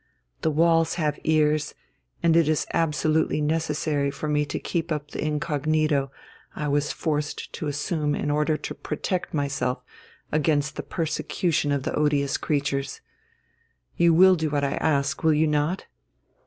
"The walls have ears, and it is absolutely necessary for me to keep up the incognito I was forced to assume in order to protect myself against the persecution of the odious creatures. You will do what I ask, will you not?